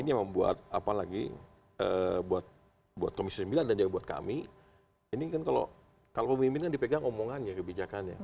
ini yang membuat apalagi buat komisi sembilan dan juga buat kami ini kan kalau pemimpin kan dipegang omongannya kebijakannya